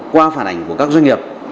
qua phản ảnh của các doanh nghiệp